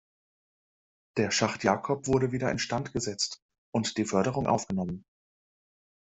Der Schacht Jacob wurde wieder instand gesetzt, und die Förderung aufgenommen.